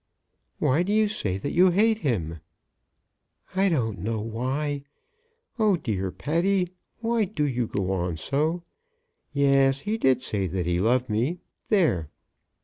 "Why do you say that you hate him?" "I don't know why. Oh, dear Patty, why do you go on so? Yes; he did say that he loved me; there."